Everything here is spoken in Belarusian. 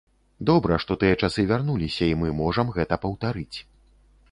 Добра, што тыя часы вярнуліся, і мы можам гэта паўтарыць.